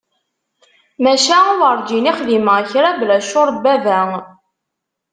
Maca! Werǧin i xdimeɣ kra bla ccur n baba.